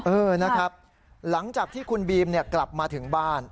เออนะครับหลังจากที่คุณบีมกลับมาถึงบ้าน